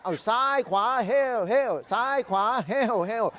เอาซ้ายขวาเหวซ้ายขวาแห้วเหว